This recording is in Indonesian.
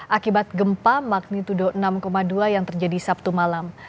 akibat gempa magnitudo enam dua yang terjadi sabtu malam